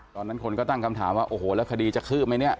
ตอนนั้นคนก็ตั้งคำถามว่าโอ้โหแล้วคดีจะคืบไหมเนี่ย